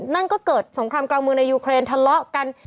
นั่นก็เกิดสงครามกลางเมืองในยูเครนทะเลาะกัน